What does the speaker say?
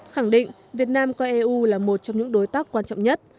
khẳng định việt nam coi eu là một trong những đối tác quan trọng nhất